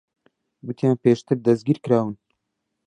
گوتیان پێشتر دەستگیر کراون.